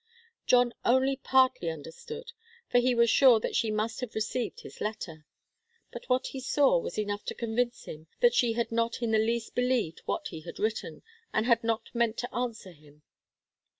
John only partly understood, for he was sure that she must have received his letter. But what he saw was enough to convince him that she had not in the least believed what he had written, and had not meant to answer him.